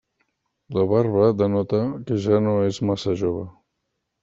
La barba denota que ja no és massa jove.